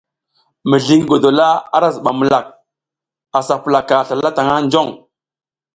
Mizli ngi godola ara zibam milak a sa pulaka slala tang jong.